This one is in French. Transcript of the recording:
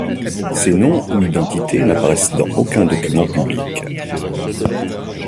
Ces noms ou identités n'apparaissent dans aucun document public.